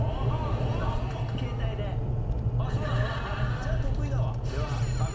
じゃあ得意だわ。